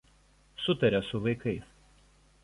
Sutaria su vaikais.